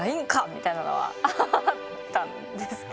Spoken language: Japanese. みたいなのはあったんですけど。